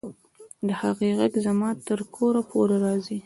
د هغې غږ زما تر کوره پورې راځي